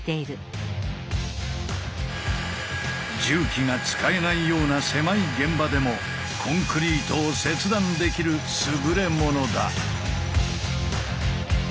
重機が使えないような狭い現場でもコンクリートを切断できるすぐれものだ。